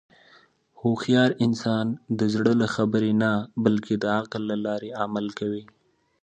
هوښیار انسان د زړه له خبرې نه، بلکې د عقل له لارې عمل کوي.